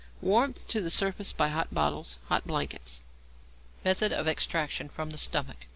Warmth to the surface by hot bottles, hot blankets. _Method of Extraction from the Stomach.